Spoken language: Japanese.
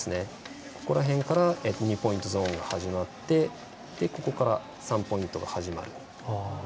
ここら辺から２ポイントゾーンが始まって３ポイントが始まる。